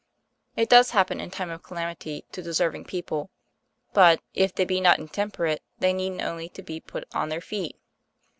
It does happen in time of calamity to deserving people, but, if they be not intemperate, they need only to be put on their feet.